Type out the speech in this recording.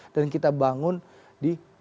dan kita bangun di negara